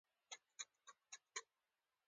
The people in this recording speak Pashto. اوس پخوانی نه دی.